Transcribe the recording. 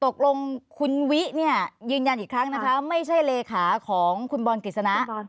ตกลงคุณวิเนี่ยยืนยันอีกครั้งนะคะไม่ใช่เลขาของคุณบอลกฤษณะ